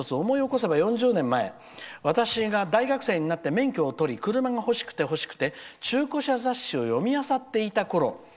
思い起こせば４０年前私が大学生になって免許を取り車が欲しくて欲しくて中古車雑誌を読み漁っていたころ